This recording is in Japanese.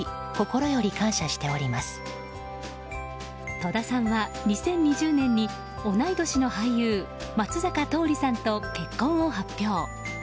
戸田さんは２０２０年に同い年の俳優松坂桃李さんと結婚を発表。